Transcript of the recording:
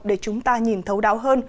để chúng ta nhìn thấu đáo hơn